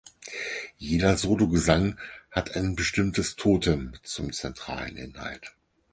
Jeder Sologesang hat ein bestimmtes Totem zum zentralen Inhalt.